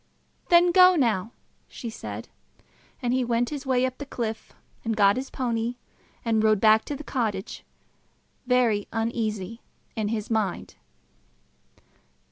"Then go now," she said. And he went his way up the cliff, and got his pony, and rode back to the cottage, very uneasy in his mind.